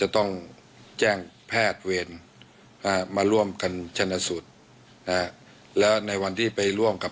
ต้องแจ้งแพทย์เวรมาร่วมกันชนะสูตรแล้วในวันที่ไปร่วมกับ